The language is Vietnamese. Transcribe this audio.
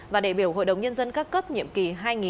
và đại biểu hội đồng nhân dân các cấp nhiệm kỳ